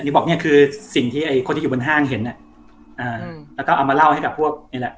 นี่บอกเนี้ยคือสิ่งที่ไอ้คนที่อยู่บนห้างเห็นอ่ะอ่าแล้วก็เอามาเล่าให้กับพวกนี่แหละ